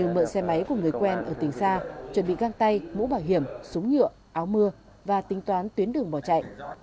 báy cùng người quen ở tỉnh xa chuẩn bị găng tay mũ bảo hiểm súng nhựa áo mưa và tính toán tuyến đường bò chạy